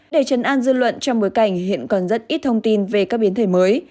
để chấn an dư luận trong bối cảnh hiện còn rất ít thông tin về các biến thể mới